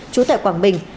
trú tại quảng bình